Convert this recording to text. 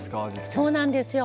そうなんですよ。